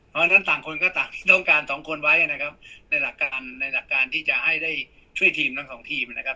เพราะฉะนั้นต่างคนก็ต้องการ๒คนไว้นะครับในหลักการที่จะให้ได้ช่วยทีมทั้ง๒ทีมนะครับ